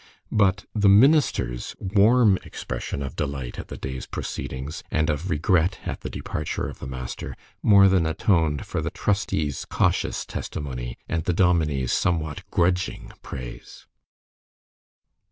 But the minister's warm expression of delight at the day's proceedings, and of regret at the departure of the master, more than atoned for the trustees' cautious testimony, and the dominie's somewhat grudging praise.